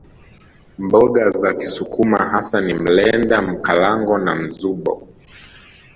Mboga za kisukuma hasa ni mlenda Mkalango na mzubo